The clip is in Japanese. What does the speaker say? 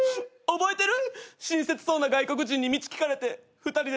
覚えてる？